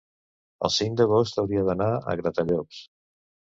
el cinc d'agost hauria d'anar a Gratallops.